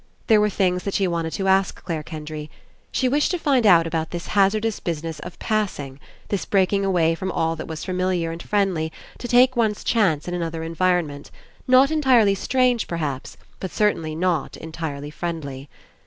There were things that she wanted to ask Clare Ken dry. She wished to find out about this hazardous business of "passing," this breaking away from all that was famihar and friendly to take one's 36 ENCOUNTER chance in another environment, not entirely strange, perhaps, but certainly not entirely friendly.